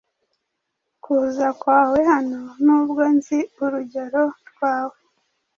Kuza kwawe hano, nubwo nzi urugero rwawe,